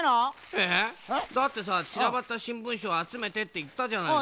えぇ？だってさちらばったしんぶんしをあつめてっていったじゃないの。